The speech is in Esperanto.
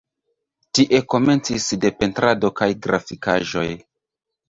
Tie komencis de pentrado kaj grafikaĵoj.